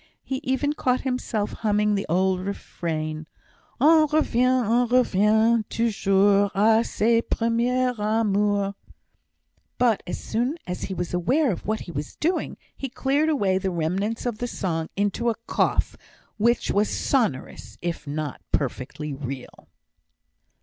He even caught himself humming the old refrain: On revient, on revient toujours, A ses premiers amours. But as soon as he was aware of what he was doing, he cleared away the remnants of the song into a cough, which was sonorous, if not perfectly real.